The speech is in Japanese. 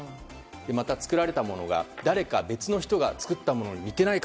また、作られたものが誰か別の人が作ったものに似てないか。